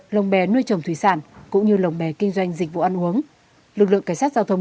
lồng bé nuôi trồng thủy sản cũng như lồng bè kinh doanh dịch vụ ăn uống lực lượng cảnh sát giao thông